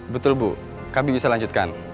betul bu kami bisa lanjutkan